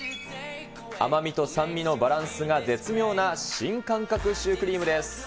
甘みと酸味のバランスが絶妙な新感覚シュークリームです。